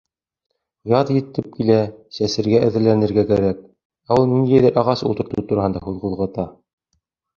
Яҙ етеп килә, сәсергә әҙерләнергә кәрәк, ә ул ниндәйҙер ағас ултыртыу тураһында һүҙ ҡуҙғата.